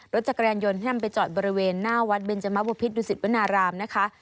รถจักรยานยนต์ที่นำไปจอดบริเวณหน้าวัดเบนจมบุพิษดุสิตวนารามนะคะ